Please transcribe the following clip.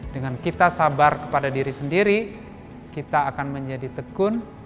dengan kita sabar kepada diri sendiri kita akan menjadi tekun